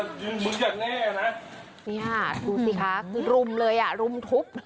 ดูสิคะคือรุมเลยอ่ะรุมทุกข์